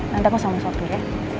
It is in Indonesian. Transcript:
nanti aku sama satu ya